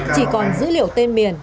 chỉ còn dữ liệu tên miền